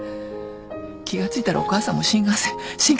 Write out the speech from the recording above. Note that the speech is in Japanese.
気が付いたらお母さんも新幹線新幹線乗ってた。